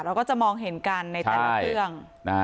เราก็จะมองเห็นกันในแต่ละเรื่อง